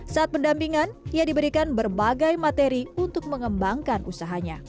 saat pendampingan ia diberikan berbagai materi untuk mengembangkan usahanya